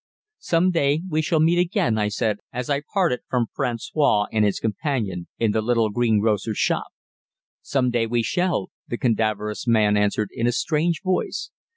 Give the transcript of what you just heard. "Some day we may meet again," I said as I parted from François and his companion, in the little greengrocer's shop. "Some day we shall," the cadaverous man answered in a strange voice.